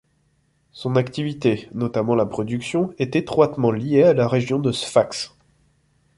Son activité, notamment la production, est étroitement liée à la région de Sfax.